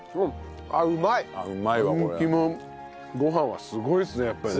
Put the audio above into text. あん肝ご飯はすごいですねやっぱりね。